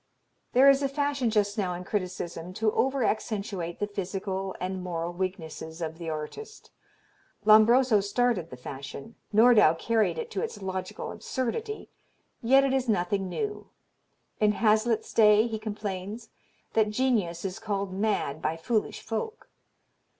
There is a fashion just now in criticism to over accentuate the physical and moral weaknesses of the artist. Lombroso started the fashion, Nordau carried it to its logical absurdity, yet it is nothing new. In Hazlitt's day he complains, that genius is called mad by foolish folk.